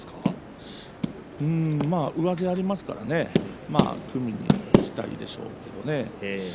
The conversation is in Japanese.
上背がありますから組んでいきたいでしょうけどもね。